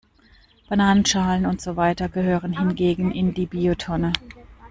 Bananenschalen und so weiter gehören hingegen in die Biotonne.